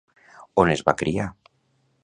On es va criar?